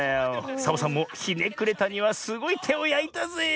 サボさんもひねくれたにはすごいてをやいたぜえ。